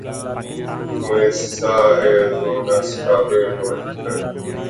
Misa Arizona Spokane Washington